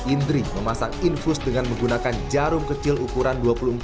indri memasang infus dengan menggunakan jarum kecil ukuran dua puluh empat